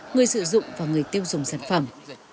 người sử dụng và người tiêu dùng sản phẩm